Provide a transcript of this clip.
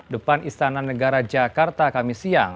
depan istana negara jakarta kami siang